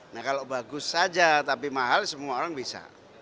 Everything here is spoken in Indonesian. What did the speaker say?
nah kalau bagus saja tapi mahal semua orang bisa